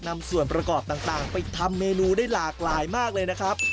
นำส่วนประกอบต่างไปทำเมนูได้หลากหลายมากเลยนะครับ